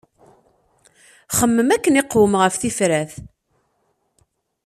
Xemmem akken iqwem ɣef tifrat!